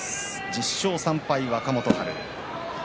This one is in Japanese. １０勝３敗、若元春。